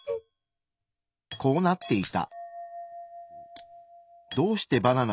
こうなっていた。